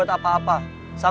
ada apaan sih